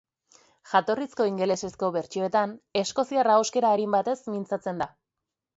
Jatorrizko ingelesezko bertsioetan eskoziar ahoskera arin batez mintzatzen da.